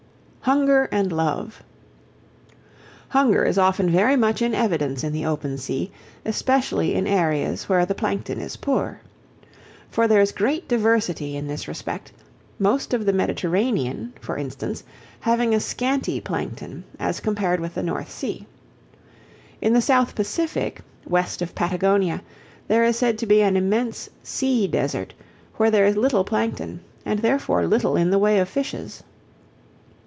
Hunger and Love Hunger is often very much in evidence in the open sea, especially in areas where the Plankton is poor. For there is great diversity in this respect, most of the Mediterranean, for instance, having a scanty Plankton as compared with the North Sea. In the South Pacific, west of Patagonia, there is said to be an immense "sea desert" where there is little Plankton, and therefore little in the way of fishes.